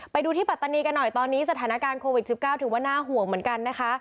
ไปดูที่ปัตตานีกันหน่อยตอนนี้สถานการณ์โควิด๑๙ถือว่าน่าห่วงเหมือนกันนะคะ